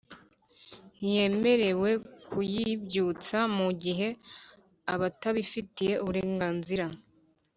ntiyemerewe kuyibyutsa mu gihe atabifitiye uburenganzira